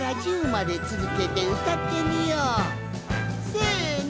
せの。